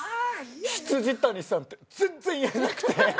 未谷さんって全然言えなくて。